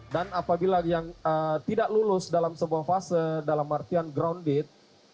dan apabila yang tidak lulus dalam sebuah fase dalam artian grounded